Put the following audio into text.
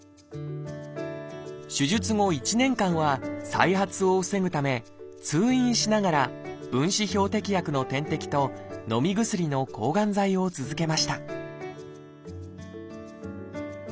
手術後１年間は再発を防ぐため通院しながら分子標的薬の点滴とのみ薬の抗がん剤を続けました